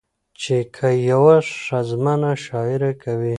چې که يوه ښځمنه شاعري کوي